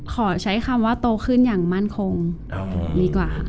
ขอใช้คำว่าโตขึ้นอย่างมั่นคงดีกว่าค่ะ